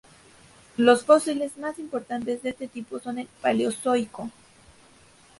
Los fósiles más importantes de este tipo son del Paleozoico.